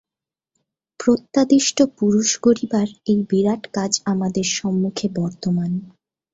প্রত্যাদিষ্ট পুরুষ গড়িবার এই বিরাট কাজ আমাদের সম্মুখে বর্তমান।